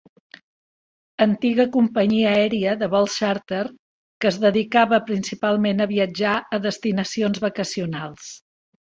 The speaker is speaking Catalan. Antiga companyia aèria de vols xàrter que es dedicava principalment a viatjar a destinacions vacacionals.